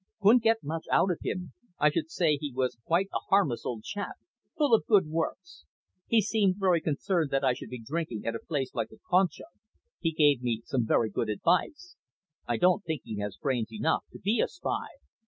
"Couldn't get much out of him. I should say he was quite a harmless old chap, full of good works. He seemed very concerned that I should be drinking at a place like the `Concha.' He gave me some very good advice. I don't think he has brains enough to be a spy."